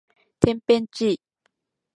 てんぺんちい